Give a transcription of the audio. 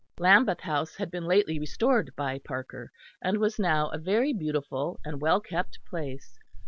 Lambeth House had been lately restored by Parker, and was now a very beautiful and well kept place.